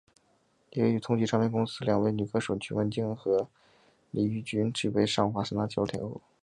也与同期唱片公司两位女歌手许美静和李翊君誉为上华三大销售天后。